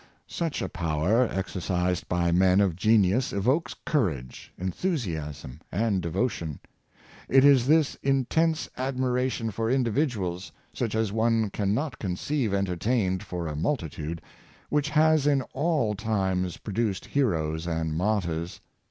*" Such a power, exercised by men of genius, evokes courage, enthusiasm, and devotion. It is this intense admiration for individuals — such as one can not con ceive entertained for a multitude — which has in all times produced heroes and martyrs.